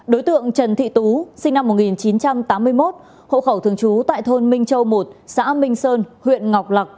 đối tượng trần thị tú sinh năm một nghìn chín trăm tám mươi một hộ khẩu thường trú tại thôn minh châu một xã minh sơn huyện ngọc lạc